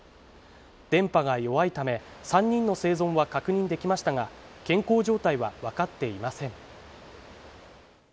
電波が弱いため、３人の生存は確認できましたが、健康状態はわかっていません。